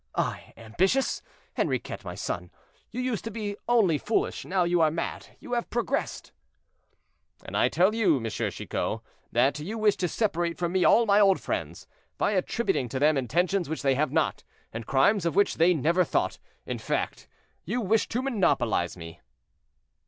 I ambitious! Henriquet, my son, you used to be only foolish, now you are mad; you have progressed." "And I tell you, M. Chicot, that you wish to separate from me all my old friends, by attributing to them intentions which they have not, and crimes of which they never thought; in fact, you wish to monopolize me."